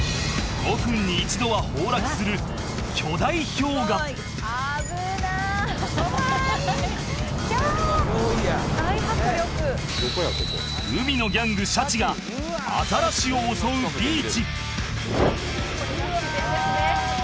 ５分に一度は崩落する海のギャングシャチがアザラシを襲うビーチ